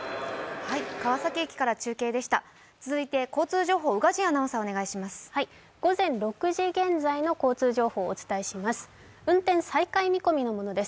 続いて交通情報、宇賀神アナウンサーお願いします。